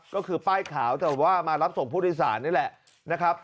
ก็คือป้ายข่าวแต่ว่ามารับส่งพุทธศาสตร์นี่แหละ